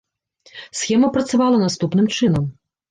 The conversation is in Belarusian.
Схема працавала наступным чынам.